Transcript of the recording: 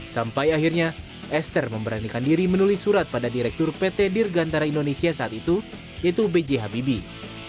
sampai akhirnya esther memberanikan diri menulis surat pada direktur pt dirgantara indonesia saat itu yaitu b j habibie